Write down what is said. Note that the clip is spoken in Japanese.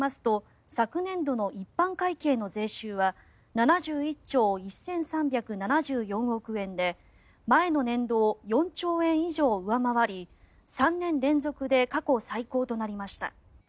財務省の発表によりますと昨年度の一般会計の税収は７１兆１３７４億円で前の年度を４兆円以上上回り３年連続で過去最高となりました。